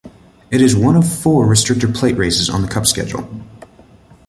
It is one of four restrictor plate races on the Cup schedule.